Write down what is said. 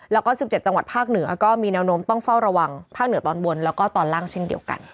แล้วก็๑๗จังหวัดภาคเหนือก็มีแนวโน้มต้องเฝ้าระวังภาคเหนือตอนบนแล้วก็ตอนล่างเช่นเดียวกัน